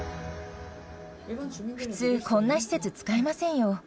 普通、こんな施設使えませんよ。